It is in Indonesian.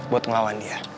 buat ngelawan dia